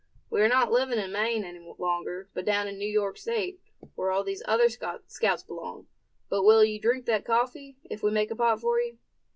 "We are not living in Maine any longer, but down in New York state, where all these other scouts belong. But will you drink that coffee, if we make a pot for you?"